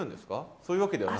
そういうわけではない？